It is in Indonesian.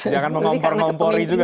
jangan memompor mompori juga